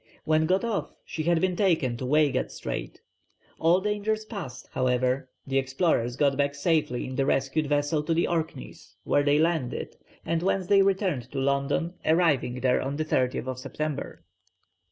When got off, she had been taken to Waygat Strait. All dangers past, however, the explorers got back safely in the rescued vessel to the Orkneys, where they landed, and whence they returned to London, arriving there on the 30th September.